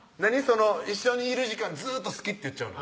一緒にいる時間ずっと「好き」って言っちゃうの？